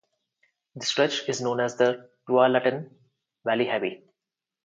This stretch is known as the Tualatin Valley Highway.